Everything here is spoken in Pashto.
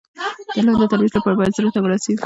د علم د ترویج لپاره باید زړه ته ورسېدو.